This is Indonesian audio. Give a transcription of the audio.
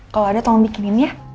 kalau ada tolong bikinin ya